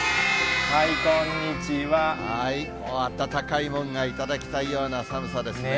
温かいものが頂きたいような寒さですね。